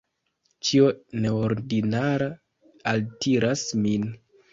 Ĉio neordinara altiras min.